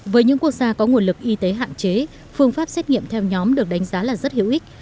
với những quốc gia có nguồn lực y tế hạn chế phương pháp xét nghiệm theo nhóm được đánh giá là rất hữu ích